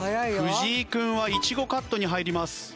藤井君はイチゴカットに入ります。